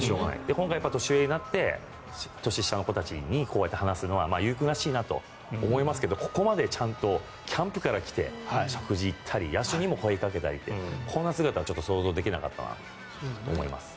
今回、年上になって年下の子たちに話すのは有君らしいなと思いますけどここまでちゃんとキャンプから来て、食事行ったり野手にも声をかけたりこんな姿は想像できなかったなと思います。